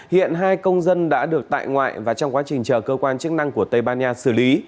hiện hai công dân đã được tại ngoại và trong quá trình chờ cơ quan chức năng của tây ban nha xử lý